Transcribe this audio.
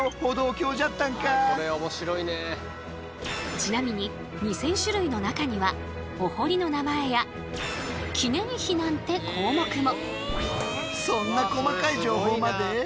ちなみに２，０００種類の中にはお濠の名前や記念碑なんて項目も。